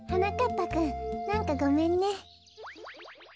ぱくんなんかごめんね。